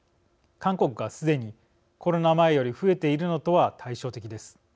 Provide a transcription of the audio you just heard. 韓国がすでにコロナ前より増えているのとは対照的です。